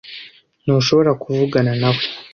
Ntuhobora kuvugana nawe